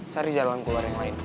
cari jalan keluar yang lain